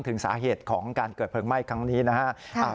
ถึงสาเหตุของการเกิดเพลิงไหม้ครั้งนี้นะครับ